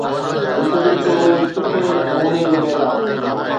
ڏسجي ٿو هڪ سٺي نموني جو ميلاپ